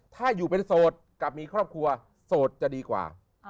ถ้าอยู่เป็นโสดกับมีครอบครัวโสดจะดีกว่า